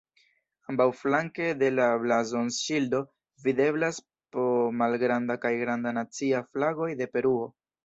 Ambaŭflanke de la blazonŝildo videblas po malgranda kaj granda nacia flagoj de Peruo.